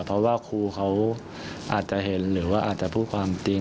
เพราะว่าครูเขาอาจจะเห็นหรือว่าอาจจะพูดความจริง